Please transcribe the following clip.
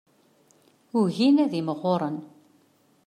Ugin ad imɣuren.